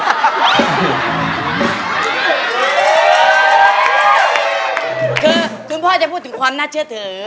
คือคุณพ่อจะพูดถึงความน่าเชื่อถือ